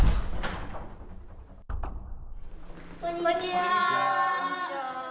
こんにちは！